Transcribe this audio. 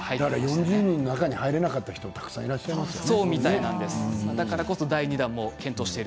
４０人の中に入れなかった方もたくさんいらっしゃいますね。